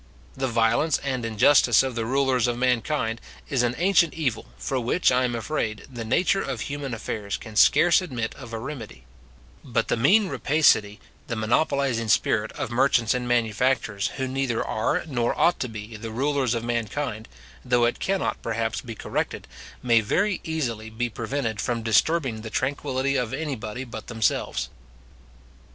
The violence and injustice of the rulers of mankind is an ancient evil, for which, I am afraid, the nature of human affairs can scarce admit of a remedy: but the mean rapacity, the monopolizing spirit, of merchants and manufacturers, who neither are, nor ought to be, the rulers of mankind, though it cannot, perhaps, be corrected, may very easily be prevented from disturbing the tranquillity of anybody but themselves.